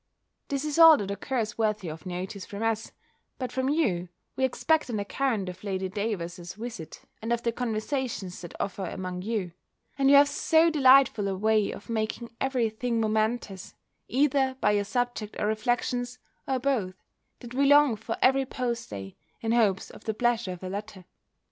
This is all that occurs worthy of notice from us: but from you, we expect an account of Lady Davers's visit, and of the conversations that offer among you; and you have so delightful a way of making every thing momentous, either by your subject or reflections, or both, that we long for every post day, in hopes of the pleasure of a letter.